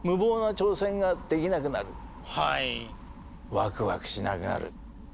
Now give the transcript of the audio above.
ワクワクしなくなる。